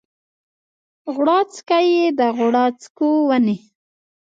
غوړاڅکی یا د غوړاڅکو ونې